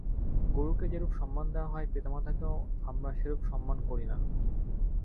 গুরুকে যেরূপ সম্মান দেওয়া হয়, পিতামাতাকেও আমরা সেরূপ সম্মান করি না।